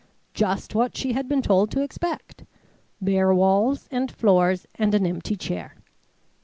Just what she had been told to expect! Bare walls and floors and an empty chair!